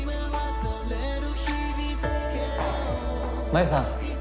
真夢さん！